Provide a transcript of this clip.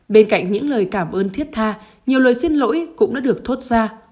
bên cạnh những lời cảm ơn thiết tha nhiều lời xin lỗi cũng đã được thốt ra